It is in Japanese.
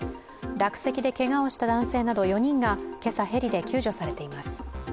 落石でけがをした男性など４人が今朝、ヘリで救助されています。